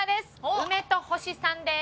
「梅と星」さんです。